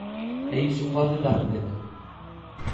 E iso pode dar medo.